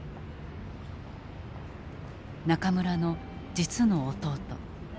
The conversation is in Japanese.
中村の実の弟。